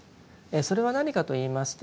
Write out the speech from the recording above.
それは何かといいますと